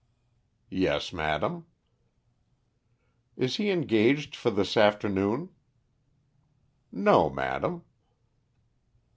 "Yes, madam." "Is he engaged for this afternoon?" "No, madam."